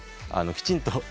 きちんと。